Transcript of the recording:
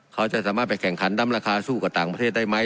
เขาจะสามารถไปแข่งขันดำราคาสู้กับต่างประเทศได้ไหม